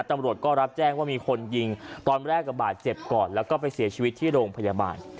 ตำรวจก็รับแจ้งว่ามีคนยิงตอนแรกก็บาดเจ็บก่อนแล้วก็ไปเสียชีวิตที่โรงพยาบาล